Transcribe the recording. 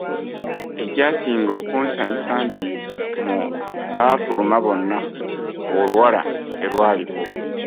Ekyasinga okunsanyusa nti mu baafuluma bonna, oluwala terwaliko.